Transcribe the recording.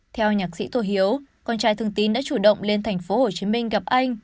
theo nhạc sĩ tô hiếu con trai thương tín đã chủ động lên thành phố hồ chí minh gặp anh